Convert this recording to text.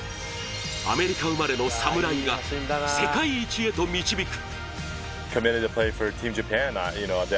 アメリカ生まれのサムライが世界一へと導く。